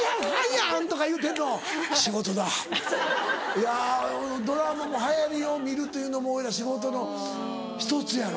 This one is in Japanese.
いやドラマも流行りを見るというのも俺ら仕事の１つやろ？